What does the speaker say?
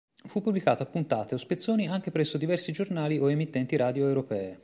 Fu pubblicato a puntate o spezzoni anche presso diversi giornali o emittenti radio europee.